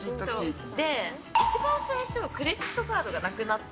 一番最初、クレジットカードがなくなって。